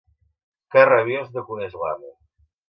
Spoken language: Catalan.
Ca rabiós no coneix l'amo.